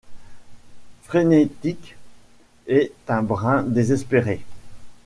Frénétique et un brin désespéré.